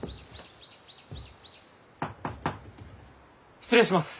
失礼します。